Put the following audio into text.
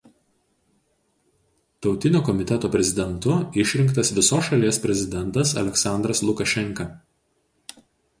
Tautinio komiteto prezidentu išrinktas visos šalies prezidentas Aleksandras Lukašenka.